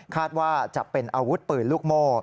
ว่าจะเป็นอาวุธปืนลูกโม่